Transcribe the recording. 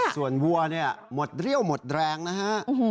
ส่วนวัวเนี่ยหมดเรี่ยวหมดแรงนะฮะ